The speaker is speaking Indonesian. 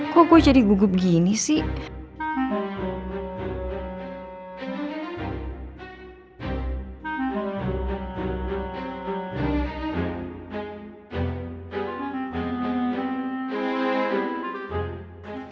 kok gue jadi gugup gini sih